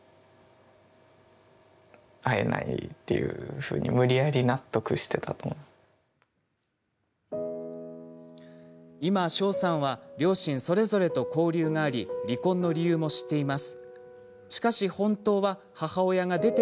こうした状況の中で翔さんは今、翔さんは両親それぞれと交流があり離婚の理由も知っています。